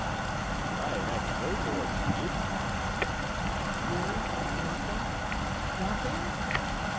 "But I have no more to give you." "Really, nothing nothing?"